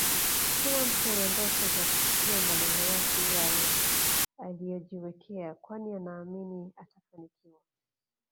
Kila mtu ana ndoto za kufikia malengo yake Yale aliyojiwekea kwani anaamini atafanikiwa